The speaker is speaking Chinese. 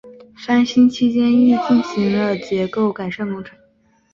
翻新期间亦进行了结构改善工程。